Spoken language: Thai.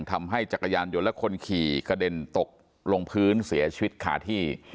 จักรยานยนต์และคนขี่กระเด็นตกลงพื้นเสียชีวิตขาที่